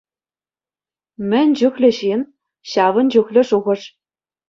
Мӗн чухлӗ ҫын, ҫавӑн чухлӗ шухӑш.